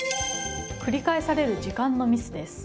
繰り返される時間のミスです。